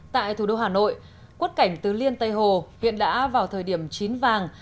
tại thủ đô hà nội quất cảnh tứ liên tây hồ hiện đã vào thời điểm chín vàng